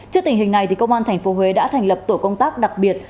trước tình hình này công an tp huế đã thành lập tổ công tác đặc biệt